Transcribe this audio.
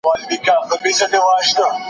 پي پي پي د مور حافظه لنډمهاله اغېزمنوي.